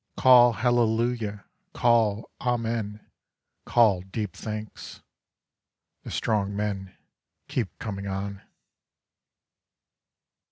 Call hallelujah, call amen, call deep thanks. The strong men keep coming on.